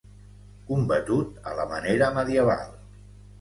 Combatut a la manera medieval.